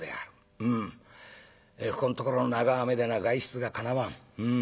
ここんところの長雨でな外出がかなわん。